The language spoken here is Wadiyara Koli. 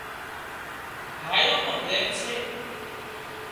ڀائيان مان پريم سي